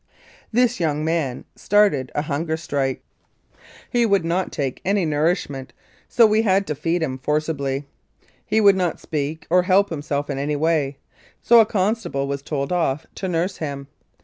"* This young man started a hunger strike. He would not take * Page 250. 123 Mounted Police Life in Canada any nourishment, so we had to feed him forcibly. He would not speak or help himself in any way, so a con stable was told off to nurse him.